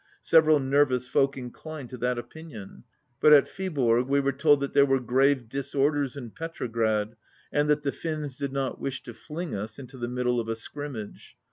Several nerv ous folk inclined to that opinion. But at Viborg we were told that there were grave disorders in Petrograd and that the Finns did not wish to fling us into the middle of a scrimmage.